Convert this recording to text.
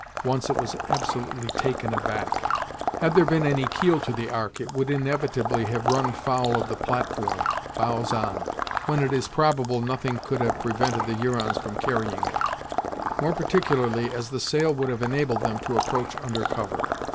Once it was absolutely taken aback. Had there been any keel to the Ark, it would inevitably have run foul of the platform, bows on, when it is probable nothing could have prevented the Hurons from carrying it; more particularly as the sail would have enabled them to approach under cover.